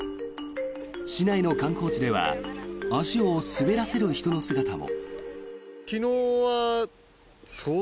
市内の観光地では足を滑らせる人の姿も。